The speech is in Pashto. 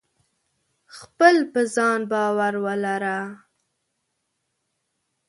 خپل په ځان باور ولره !